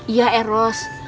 iya eh ros